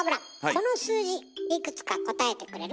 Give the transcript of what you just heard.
この数字いくつか答えてくれる？